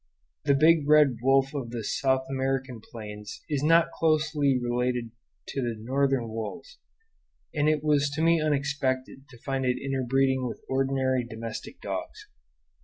The big red wolf of the South American plains is not closely related to the northern wolves; and it was to me unexpected to find it interbreeding with ordinary domestic dogs.